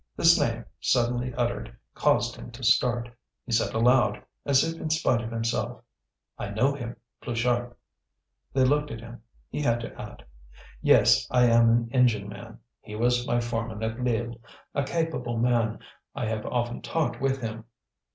This name, suddenly uttered, caused him to start. He said aloud, as if in spite of himself: "I know him Pluchart." They looked at him. He had to add: "Yes, I am an engine man: he was my foreman at Lille. A capable man. I have often talked with him."